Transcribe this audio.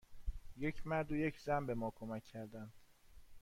یک مرد و یک زن به ما کمک کردند.